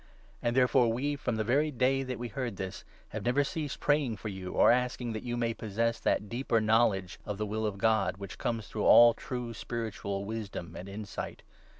And therefore we, from the very day that we 9 heard this, have never ceased praying for you, or asking that you may possess that deeper knowledge of the will of God, which comes through all true spiritual wisdom and insight.